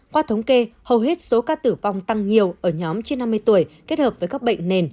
qua thống kê hầu hết số ca tử vong tăng nhiều ở nhóm trên năm mươi tuổi kết hợp với các bệnh nền